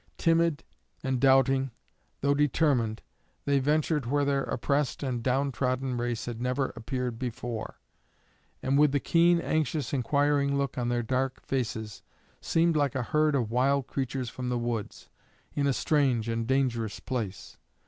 Timid and doubting, though determined, they ventured where their oppressed and down trodden race had never appeared before, and with the keen, anxious, inquiring look on their dark faces, seemed like a herd of wild creatures from the woods, in a strange and dangerous place.